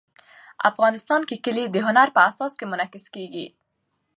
افغانستان کې کلي د هنر په اثار کې منعکس کېږي.